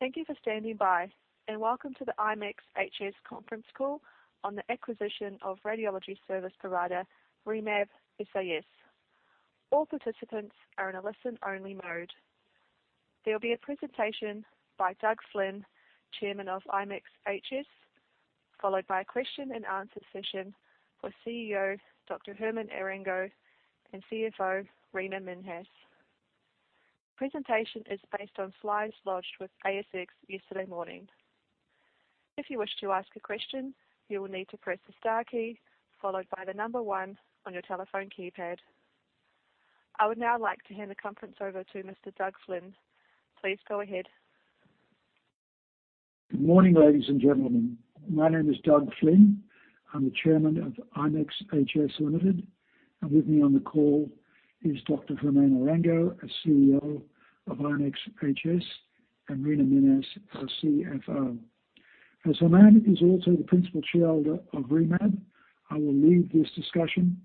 Thank you for standing by. Welcome to the ImExHS conference call on the acquisition of radiology service provider, RIMAB SAS. All participants are in a listen-only mode. There will be a presentation by Doug Flynn, Chairman of ImExHS, followed by a question and answer session with CEO, Dr Germán Arango, and CFO, Reena Minhas. Presentation is based on slides lodged with ASX yesterday morning. If you wish to ask a question, you will need to press the star key, followed by the number one on your telephone keypad. I would now like to hand the conference over to Mr Doug Flynn. Please go ahead. Good morning, ladies and gentlemen. My name is Doug Flynn. I'm the Chairman of ImExHS Limited, and with me on the call is Dr Germán Arango, CEO of ImExHS, and Reena Minhas, our CFO. As Germán is also the principal shareholder of RIMAB, I will lead this discussion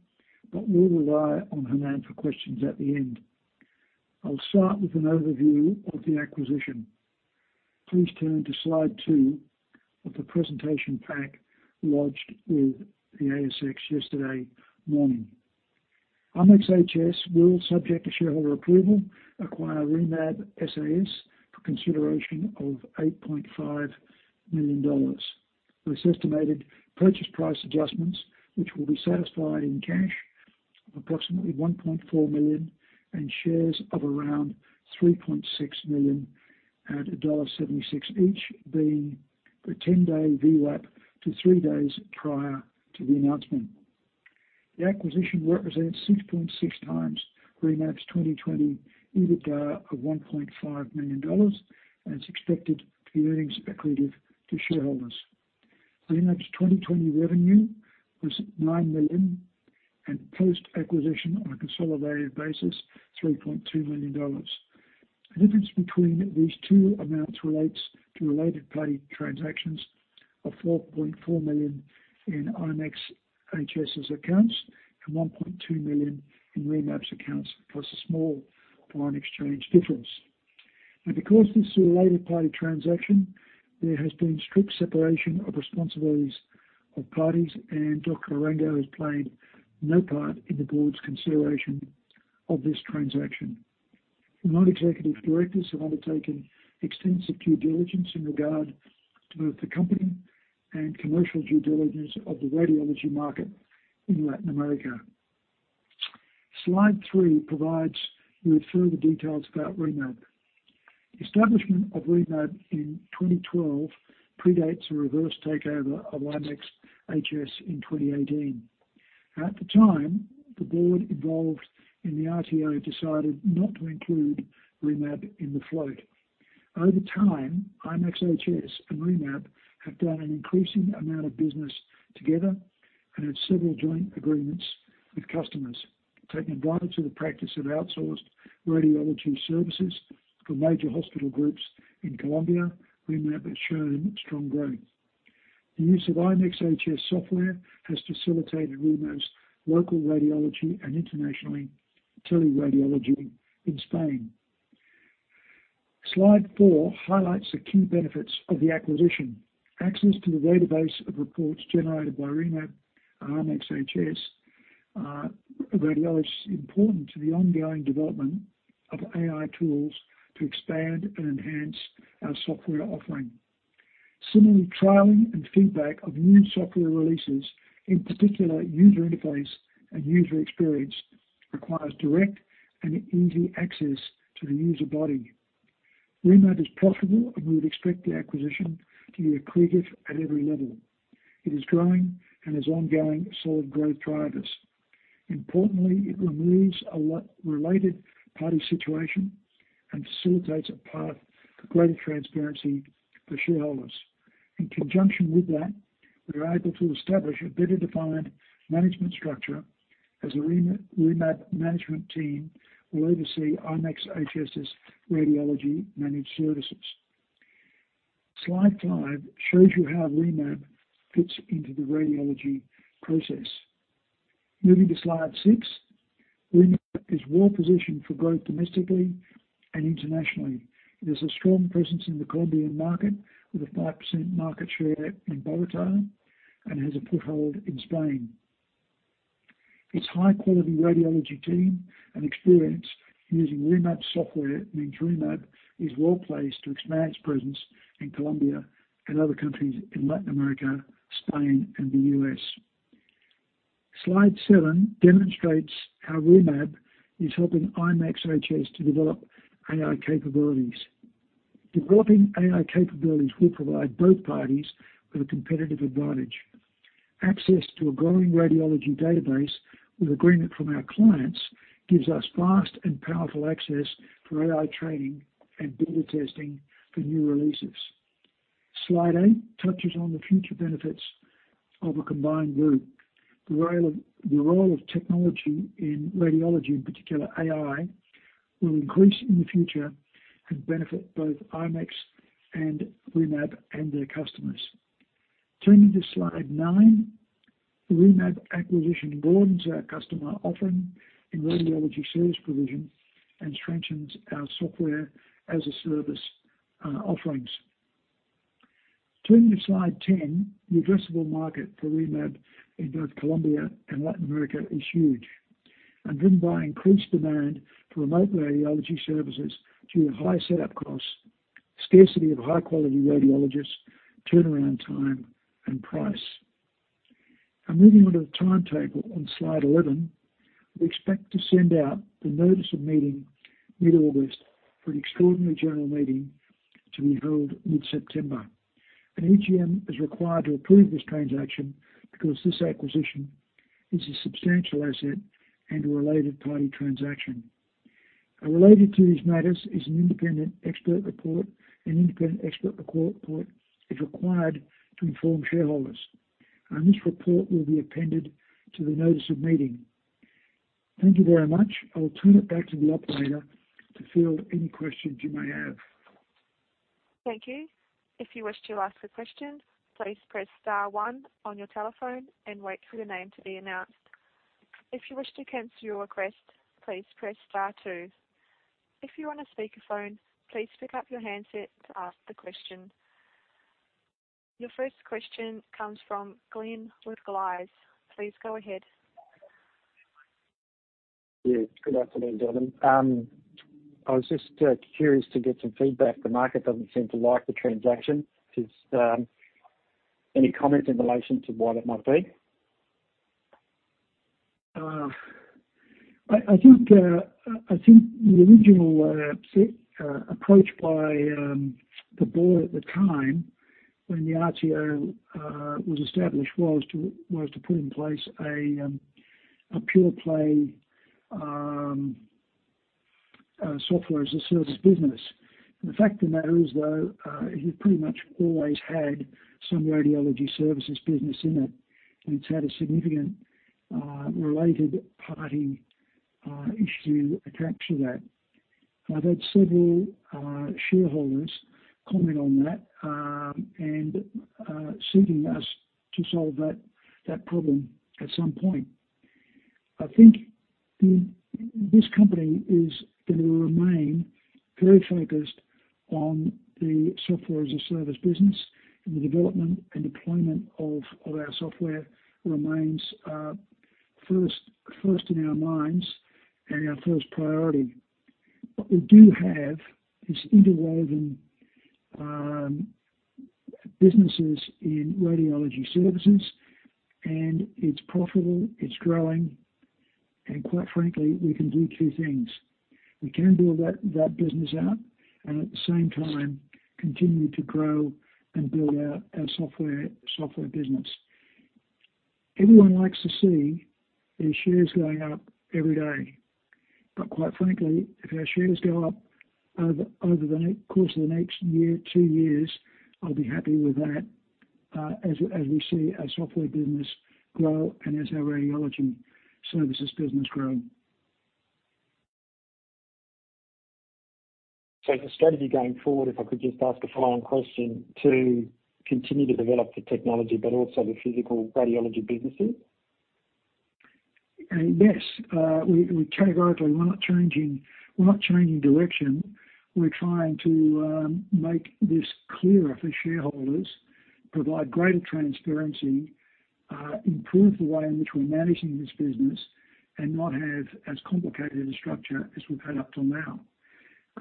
but will rely on Germán for questions at the end. I'll start with an overview of the acquisition. Please turn to slide two of the presentation pack lodged with the ASX yesterday morning. ImExHS will, subject to shareholder approval, acquire RIMAB SAS. for consideration of 8.5 million dollars. With estimated purchase price adjustments, which will be satisfied in cash of approximately 1.4 million and shares of around 3.6 million at dollar 1.76 each, being the 10-day VWAP to three days prior to the announcement. The acquisition represents 6.6x RIMAB's 2020 EBITDA of 1.5 million dollars, and it's expected to be earnings accretive to shareholders. RIMAB's 2020 revenue was 9 million, and post-acquisition on a consolidated basis, 3.2 million dollars. The difference between these two amounts relates to related party transactions of 4.4 million in ImExHS's accounts and 1.2 million in RIMAB's accounts, plus a small foreign exchange difference. Because this is a related party transaction, there has been strict separation of responsibilities of parties, and Dr Arango has played no part in the board's consideration of this transaction. The non-executive directors have undertaken extensive due diligence in regard to both the company and commercial due diligence of the radiology market in Latin America. Slide three provides you with further details about RIMAB. Establishment of RIMAB in 2012 predates a reverse takeover of in 2018. At the time, the board involved in the RTO decided not to include RIMAB in the float. Over time, ImExHS and RIMAB have done an increasing amount of business together and have several joint agreements with customers. Taking advantage of the practice of outsourced radiology services for major hospital groups in Colombia, RIMAB has shown strong growth. The use of ImExHS software has facilitated RIMAB's local radiology and internationally teleradiology in Spain. Slide four highlights the key benefits of the acquisition. Access to the database of reports generated by RIMAB and ImExHS radiologists is important to the ongoing development of AI tools to expand and enhance our software offering. Similarly, trialing and feedback of new software releases, in particular user interface and user experience, requires direct and easy access to the user body. RIMAB is profitable, and we would expect the acquisition to be accretive at every level. It is growing and has ongoing solid growth drivers. Importantly, it removes a related party situation and facilitates a path to greater transparency for shareholders. In conjunction with that, we are able to establish a better-defined management structure as the RIMAB management team will oversee ImExHS's radiology managed services. Slide five shows you how RIMAB fits into the radiology process. Moving to slide six. RIMAB is well-positioned for growth domestically and internationally. It has a strong presence in the Colombian market with a 5% market share in Bogotá and has a foothold in Spain. Its high-quality radiology team and experience in using RIMAB software means RIMAB is well-placed to expand its presence in Colombia and other countries in Latin America, Spain, and the U.S.. Slide seven demonstrates how RIMAB is helping ImExHS to develop AI capabilities. Developing AI capabilities will provide both parties with a competitive advantage. Access to a growing radiology database, with agreement from our clients, gives us fast and powerful access for AI training and beta testing for new releases. Slide eight touches on the future benefits of a combined group. The role of technology in radiology, in particular AI, will increase in the future and benefit both ImExHS and RIMAB and their customers. Turning to slide nine, RIMAB acquisition broadens our customer offering in radiology service provision and strengthens our software as a service offerings. Turning to slide 10, the addressable market for RIMAB in both Colombia and Latin America is huge and driven by increased demand for remote radiology services due to high setup costs, scarcity of high-quality radiologists, turnaround time, and price. Moving on to the timetable on slide 11, we expect to send out the notice of meeting mid-August for an extraordinary general meeting to be held mid-September. An EGM is required to approve this transaction because this acquisition is a substantial asset and a related-party transaction. Related to these matters is an independent expert report. An independent expert report is required to inform shareholders, and this report will be appended to the notice of meeting. Thank you very much. I'll turn it back to the operator to field any questions you may have. Thank you. If you wish to ask a question, please press star one on your telephone and wait for the name to be announced. If you wish to cancel your request, please press star two. If you want a speakerphone, please pick up your handset to ask a question. Your first question comes from Glenn with. Please go ahead. Yeah. Good afternoon, gentlemen. I was just curious to get some feedback. The market doesn't seem to like the transaction. Any comments in relation to why that might be? I think the original approach by the board at the time when the RTO was established was to put in place a pure play software as a service business. The fact of the matter is, though, it pretty much always had some radiology services business in it, and it's had a significant related party issue attached to that. I've had several shareholders comment on that, and seeking us to solve that problem at some point. I think this company is going to remain very focused on the software as a service business, and the development and deployment of our software remains first in our minds and our first priority. What we do have is interwoven businesses in radiology services, and it's profitable, it's growing, and quite frankly, we can do two things. We can build that business out, and at the same time continue to grow and build out our software business. Everyone likes to see their shares going up every day. Quite frankly, if our shares go up over the course of the next one year, two years, I'll be happy with that, as we see our software business grow and as our radiology services business grow. Is the strategy going forward, if I could just ask a follow-on question, to continue to develop the technology, but also the physical radiology businesses? Yes. Categorically, we're not changing direction. We're trying to make this clearer for shareholders, provide greater transparency, improve the way in which we're managing this business, and not have as complicated a structure as we've had up till now.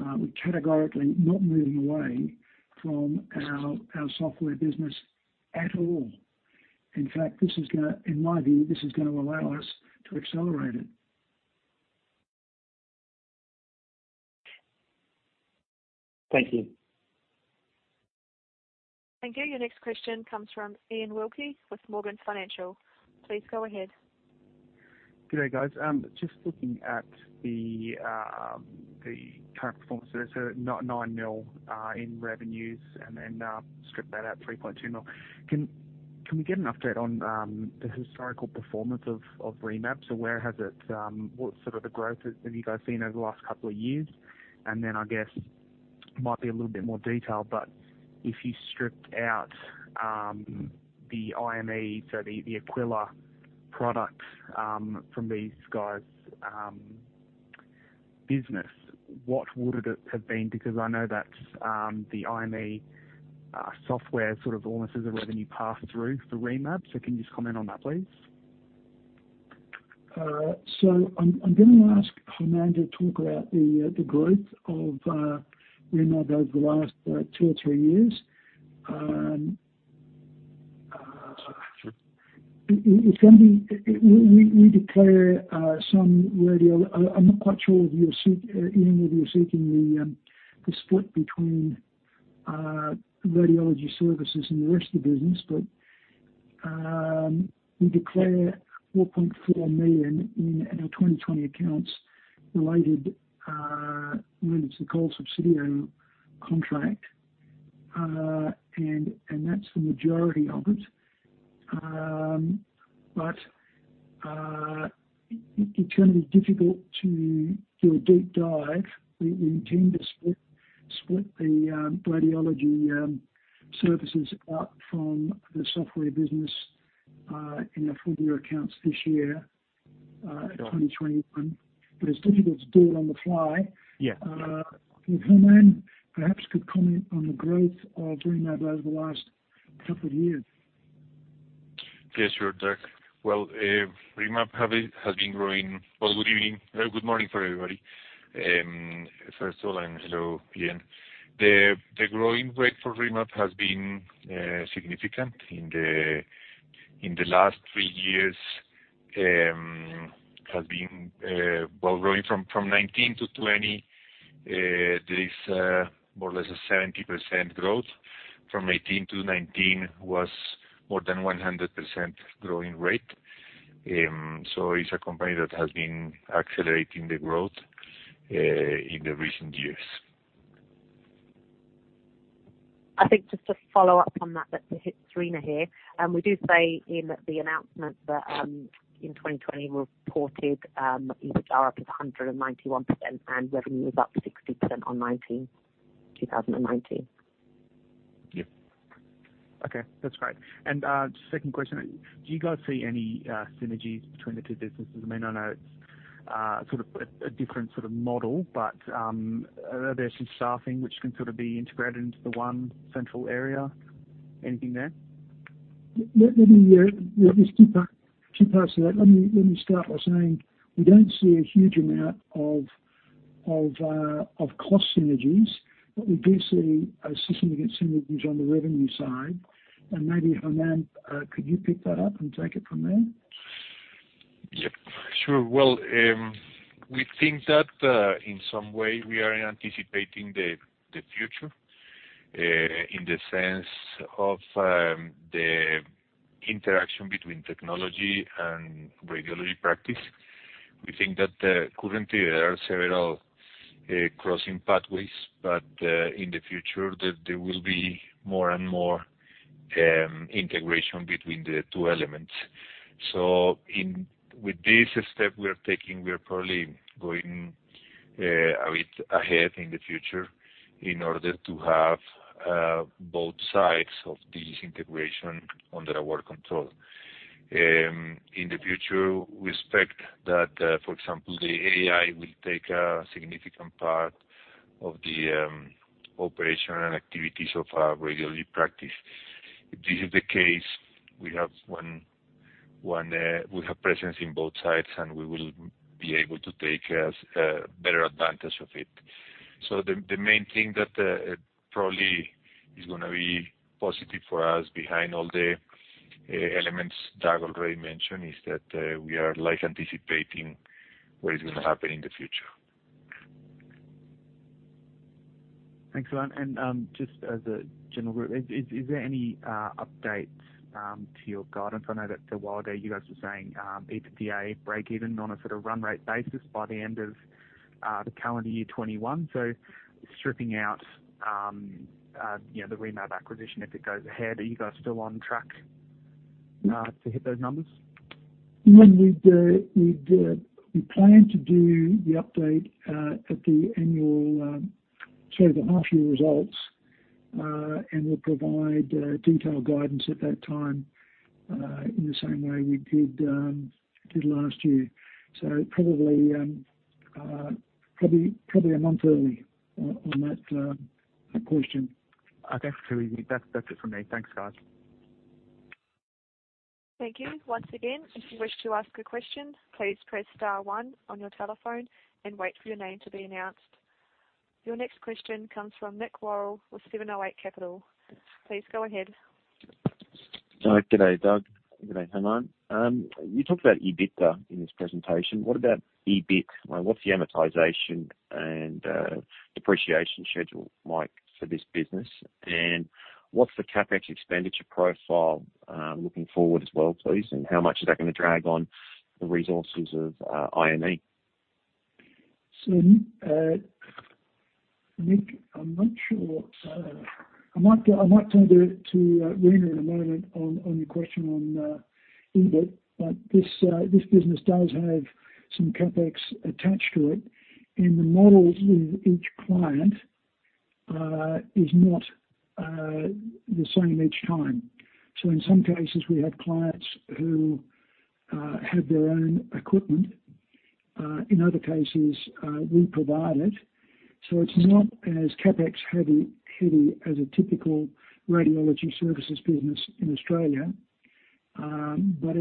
We're categorically not moving away from our software business at all. In fact, in my view, this is gonna allow us to accelerate it. Thank you. Thank you. Your next question comes from Iain Wilkie with Morgans Financial. Please go ahead. Good day, guys. Just looking at the current performance, 9 mil in revenues. Strip that out, 3.2 mil. Can we get an update on the historical performance of RIMAB? What sort of the growth have you guys seen over the last couple of years? I guess, might be a little bit more detail, but if you stripped out the IME, so the AQUILA product from these guys' business, what would it have been? Because I know that the IME software sort of almost as a revenue pass-through for RIMAB. Can you just comment on that, please? I'm gonna ask Germán to talk about the growth of RIMAB over the last two or three years. I'm not quite sure, Iain, whether you're seeking the split between radiology services and the rest of the business; we declare 4.4 million in our 2020 accounts related to the Colsubsidio contract. That's the majority of it. It's going to be difficult to do a deep dive. We intend to split the radiology services out from the software business in our full-year accounts this year. 2021. It's difficult to do it on the fly. If Germán perhaps could comment on the growth of RIMAB over the last couple of years. Yes, sure, Doug. Well, good evening. Good morning for everybody. First of all, and hello, Iain. The growing rate for RIMAB has been significant in the last three years, has been growing from 2019 to 2020. There is more or less a 70% growth. From 2018 to 2019 was more than 100% growing rate. It's a company that has been accelerating the growth in the recent years. I think just to follow up on. That's Reena here. We do say in the announcement that in 2020, we reported EBITDA up at 191% and revenue was up 60% on 2019. Okay, that's great. Second question, do you guys see any synergies between the two businesses? I know it's a different sort of model, but are there some staffing which can sort of be integrated into the one central area? Anything there? There's two parts to that. Let me start by saying we don't see a huge amount of cost synergies, but we do see a system to get synergies on the revenue side. Maybe, Germán, could you pick that up and take it from there? Yep, sure. Well, we think that in some way we are anticipating the future in the sense of the interaction between technology and radiology practice. We think that currently there are several crossing pathways, but in the future, there will be more and more integration between the two elements. With this step we're taking, we are probably going a bit ahead in the future in order to have both sides of this integration under our control. In the future, we expect that, for example, the AI will take a significant part of the operational activities of our radiology practice. If this is the case, we have presence in both sides, and we will be able to take a better advantage of it. The main thing that probably is going to be positive for us behind all the elements Doug already mentioned is that we are anticipating what is going to happen in the future. Thanks, Germán. Just as a general group, is there any updates to your guidance? I know that a while ago, you guys were saying EBITDA break even on a sort of run rate basis by the end of the calendar year 2021. Stripping out the RIMAB acquisition, if it goes ahead, are you guys still on track to hit those numbers? Well, we plan to do the update at the annual, sorry, the half-year results, and we'll provide detailed guidance at that time, in the same way we did last year. Probably a month early on that question. That's it for me. Thanks, guys. Thank you. Once again, if you wish to ask a question, please press star one on your telephone and wait for your name to be announced. Your next question comes from Nick Worrall with 708 Capital. Please go ahead. Good day, Doug. Good day, Germán. You talked about EBITDA in this presentation. What about EBIT? What's the amortization and depreciation schedule like for this business? What's the CapEx expenditure profile looking forward as well, please? How much is that going to drag on the resources of IME? Nick, I'm not sure what I might turn to Reena in a moment on your question on EBIT, but this business does have some CapEx attached to it, and the models with each client is not the same each time. In some cases, we have clients who have their own equipment. In other cases, we provide it. It's not as CapEx-heavy as a typical radiology services business in Australia, but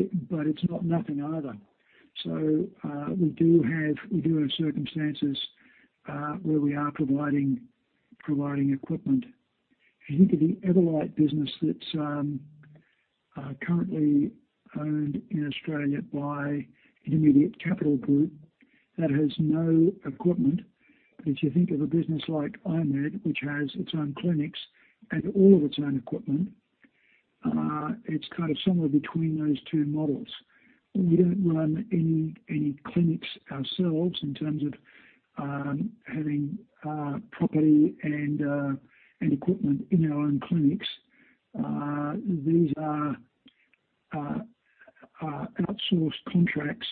it's not nothing either. We do have circumstances where we are providing equipment. If you think of the Everlight business that's currently owned in Australia by Intermediate Capital Group that has no equipment, but if you think of a business like I-MED, which has its own clinics and all of its own equipment, it's kind of somewhere between those two models. We don't run any clinics ourselves in terms of having property and equipment in our own clinics. These are outsourced contracts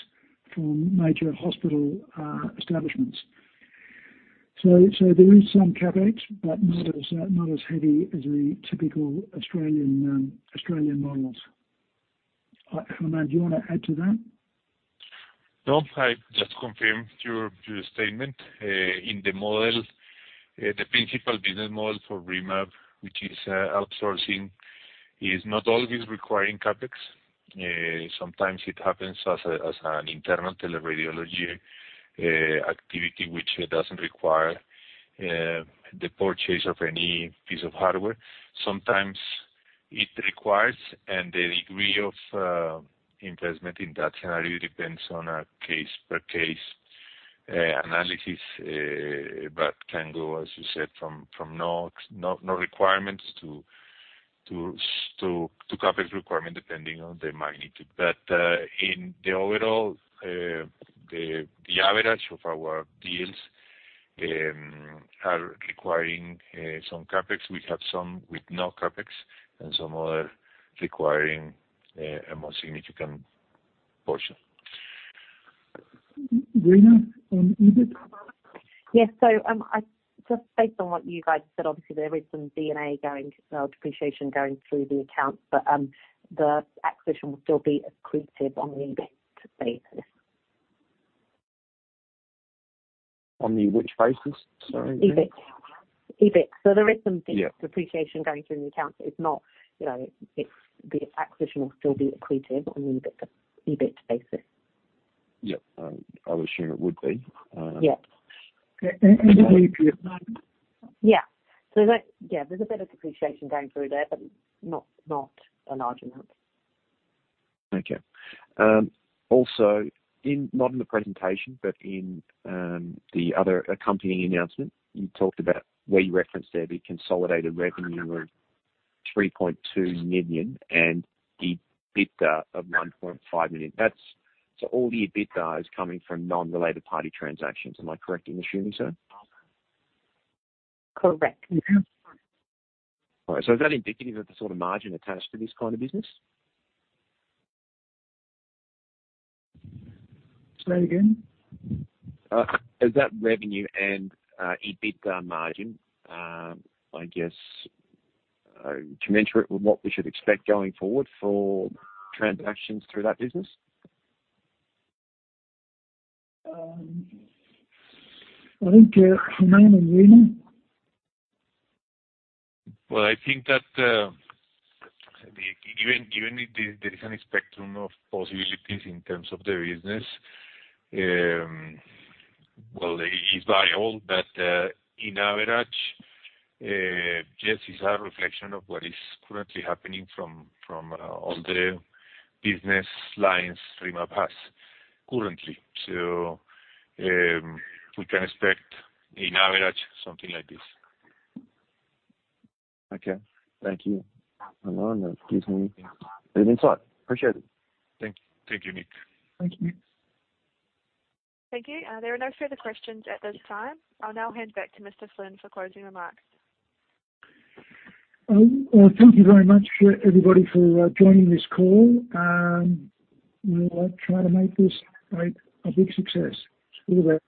from major hospital establishments. There is some CapEx, but not as heavy as the typical Australian models. Germán, do you want to add to that? No, I just confirm your statement. In the model, the principal business model for RIMAB, which is outsourcing, is not always requiring CapEx. Sometimes it happens as an internal teleradiology activity, which doesn't require the purchase of any piece of hardware. Sometimes it requires, and the degree of investment in that scenario depends on a case-per-case analysis, but can go, as you said, from no requirements to CapEx requirement, depending on the magnitude. In the overall, the average of our deals are requiring some CapEx. We have some with no CapEx and some other requiring a more significant portion. Reena on EBIT? Yes. Just based on what you guys said, obviously, there is some D&A, depreciation going through the accounts, but the acquisition will still be accretive on the EBIT basis. On the which basis, sorry? EBIT. Yeah Depreciation going through the accounts, but the acquisition will still be accretive on the EBIT basis. Yep. I would assume it would be. Yeah. EBIT margin? Yeah. There's a bit of depreciation going through there, but not a large amount. Okay. Also, not in the presentation, but in the other accompanying announcement, you talked about where you referenced there the consolidated revenue of 3.2 million and the EBITDA of 1.5 million. All the EBITDA is coming from non-related party transactions. Am I correct in assuming so? Correct. All right. Is that indicative of the sort of margin attached to this kind of business? Say it again. Is that revenue and EBITDA margin, I guess, to mirror it with what we should expect going forward for transactions through that business? I think Germán and Reena. Well, I think that even if there is a spectrum of possibilities in terms of the business. Well, it is variable, but in average, yes, it's a reflection of what is currently happening from all the business lines RIMAB has currently. We can expect in average, something like this. Okay. Thank you, Germán. That gives me a bit of insight. Appreciate it. Thank you, Nick. Thank you. Thank you. There are no further questions at this time. I'll now hand back to Mr. Flynn for closing remarks. Thank you very much, everybody, for joining this call. We'll try to make this a big success. Cheers.